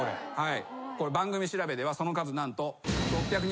番組調べではその数何と。